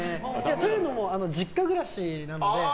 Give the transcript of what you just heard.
というのも実家暮らしなので。